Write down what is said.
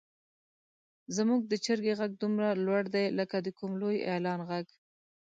زموږ د چرګې غږ دومره لوړ دی لکه د کوم لوی اعلان غږ.